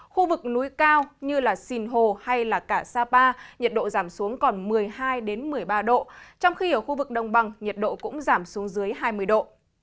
khu vực núi cao như sìn hồ hay cả sapa nhiệt độ giảm xuống còn một mươi hai một mươi ba độ trong khi ở khu vực đồng bằng nhiệt độ cũng giảm xuống dưới hai mươi độ